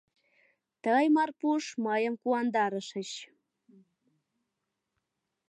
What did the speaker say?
Тый, Марпуш, мыйым куандарышыч.